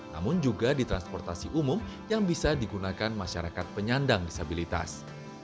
namun juga di transportasi umum yang bisa digunakan masyarakat penyandang disabilitas